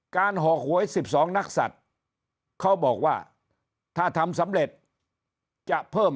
หอกหวย๑๒นักศัตริย์เขาบอกว่าถ้าทำสำเร็จจะเพิ่ม